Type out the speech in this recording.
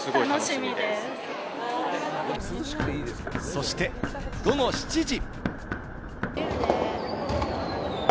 そして午後７時。